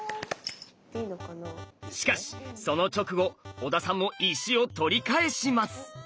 しかしその直後小田さんも石を取り返します。